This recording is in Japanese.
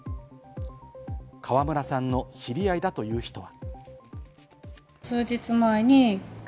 川村さんの知り合いだという人は。